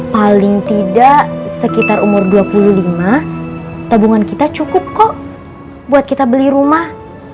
paling tidak sekitar umur dua puluh lima tabungan kita cukup kok buat kita beli rumah